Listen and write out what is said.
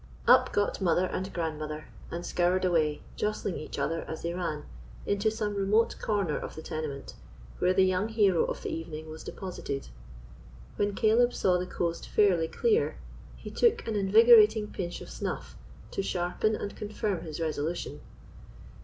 Up got mother and grandmother, and scoured away, jostling each other as they ran, into some remote corner of the tenement, where the young hero of the evening was deposited. When Caleb saw the coast fairly clear, he took an invigorating pinch of snuff, to sharpen and confirm his resolution.